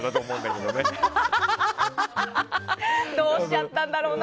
どうしちゃったんだろうな。